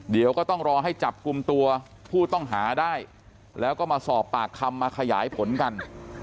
เดี๋ยวก็ต้องรอให้จับกลุ่มตัวผู้ต้องหาได้แล้วก็มาสอบปากคำมาขยายผลกัน